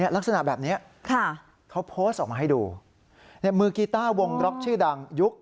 ลักษณะแบบนี้เขาโพสต์ออกมาให้ดูมือกีต้าวงล็อกชื่อดังยุค